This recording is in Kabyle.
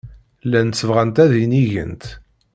Llant bɣant ad inigent.